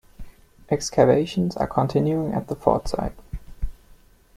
Excavations are continuing at the fort site.